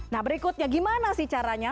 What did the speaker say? nah berikutnya gimana sih caranya